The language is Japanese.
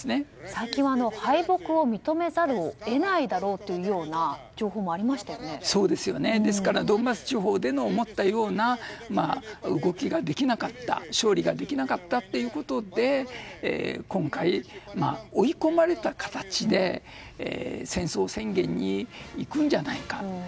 最近、敗北を認めざるを得ないだろうというドンバス地方での思ったような動きができなかった勝利ができなかったということで今回、追い込まれた形で戦争宣言にいくんじゃないかと。